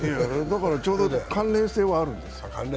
ちょうど関連性はあるんです。